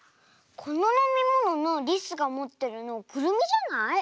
こののみもののりすがもってるのくるみじゃない？